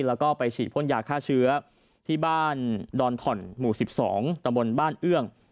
แล้วก็ไปฉีดพ่นยาฆ่าเชื้อที่บ้านดอนถ่อนหมู่๑๒ตำบลบ้านเอื้อง